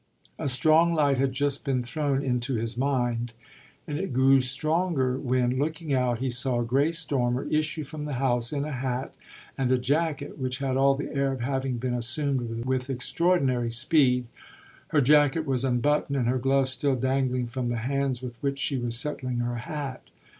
A strong light had just been thrown into his mind, and it grew stronger when, looking out, he saw Grace Dormer issue from the house in a hat and a jacket which had all the air of having been assumed with extraordinary speed. Her jacket was unbuttoned and her gloves still dangling from the hands with which she was settling her hat.